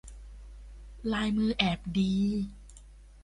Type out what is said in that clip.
ลายมือแอบดี